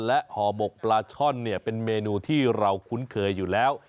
และห่อหมกปลาช่อนเนี่ยเป็นเมนูที่เราคุ้นเคยอยู่แล้ว